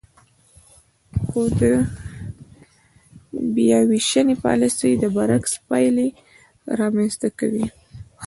خو د بیاوېشنې پالیسۍ برعکس پایلې رامنځ ته کوي.